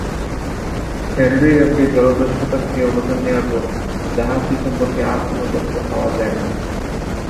Henry Avery জলদস্যুতা থেকে অবসর নেওয়ার পর জাহাজটি সম্পর্কে আর কোন তথ্য পাওয়া যায়নি।